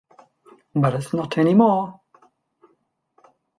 But it is not anymore.